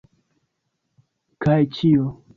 Kaj ĉio.